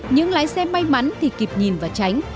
những lái xe may mắn thì kịp nhìn và tránh